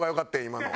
今の。